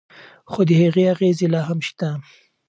خو د هغې اغیزې لا هم شته.